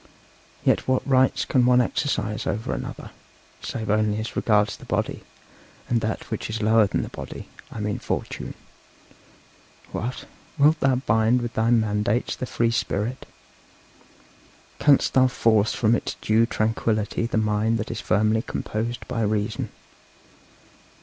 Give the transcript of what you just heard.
Yet what rights can one exercise over another, save only as regards the body, and that which is lower than the body I mean fortune? What! wilt thou bind with thy mandates the free spirit? Canst thou force from its due tranquillity the mind that is firmly composed by reason?